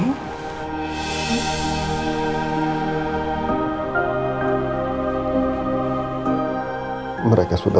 itu semua karakter lunak